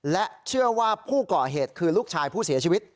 และเชื่อว่าผู้ก่อเหตุคือลูกชายผู้เสียชีวิต